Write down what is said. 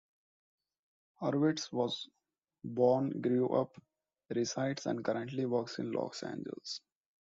Horvitz was born, grew up, resides and currently works in Los Angeles.